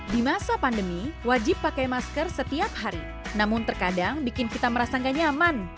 di masa pandemi wajib pakai masker setiap hari namun terkadang bikin kita merasa nggak nyaman